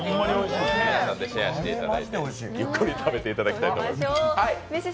皆さんでシェアしていただいてゆっくり食べていただきたいと思います。